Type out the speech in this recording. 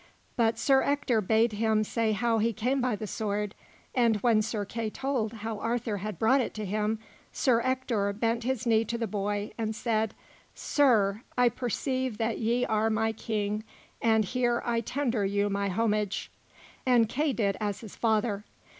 But Sir Ector bade him say how he came by the sword, and when Sir Kay told how Arthur had brought it to him, Sir Ector bent his knee to the boy, and said: "Sir, I perceive that ye are my King, and here I tender you my homage"; and Kay did as his father.